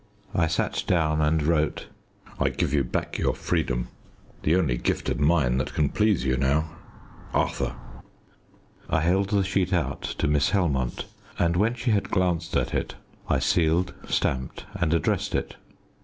I sat down and wrote "I give you back your freedom. The only gift of mine that can please you now. "ARTHUR." I held the sheet out to Miss Helmont, and, when she had glanced at it, I sealed, stamped, and addressed it.